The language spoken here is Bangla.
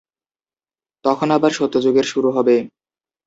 তখন আবার সত্যযুগের শুরু হবে।